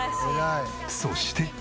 そして。